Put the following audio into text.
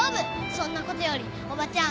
そんなことよりおばちゃん